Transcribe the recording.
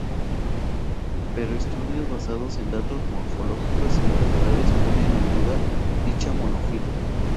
Pero estudios basados en datos morfológicos y moleculares ponen en duda dicha monofilia.